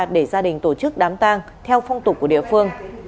để gia đình tổ chức đám tàng theo phong tục của địa phương